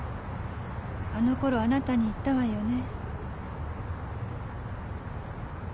あのころあなたに言ったわよね。